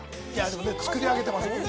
作り上げてますもんね。